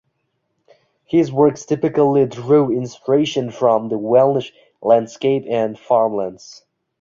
His works typically drew inspiration from the Welsh landscape and farmlands.